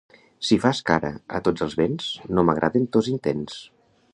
Si fas cara a tots els vents, no m'agraden tos intents.